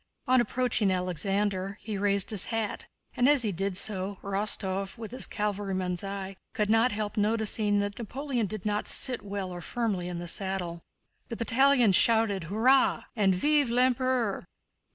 On approaching Alexander he raised his hat, and as he did so, Rostóv, with his cavalryman's eye, could not help noticing that Napoleon did not sit well or firmly in the saddle. The battalions shouted "Hurrah!" and "Vive l'Empereur!"